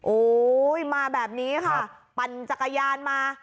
โอ้โหมาแบบนี้ค่ะปั่นจักรยานมา